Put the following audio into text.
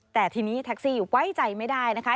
แต่ทีนี้แท็กซี่ไว้ใจไม่ได้นะคะ